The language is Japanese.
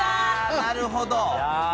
なるほど。